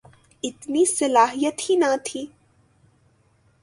اتنی صلاحیت ہی نہ تھی۔